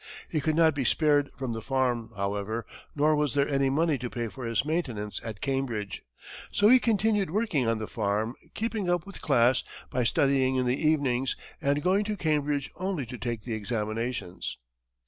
He could not be spared from the farm, however, nor was there any money to pay for his maintenance at Cambridge, so he continued working on the farm, keeping up with his class by studying in the evenings and going to Cambridge only to take the examinations.